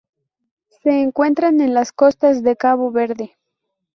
Se encuentran en las costas de Cabo Verde.